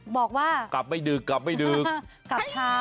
บอกว่ากลับไม่ดึกกลับเช้า